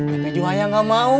tapi juhaia gak mau